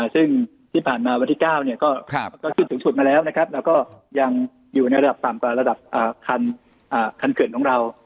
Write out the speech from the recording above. ซึ่งที่ผ่านมาวันที่เก้ายังขึ้นถึงและอยู่ที่ระดับ๓ระดับการขันเกือบของเรา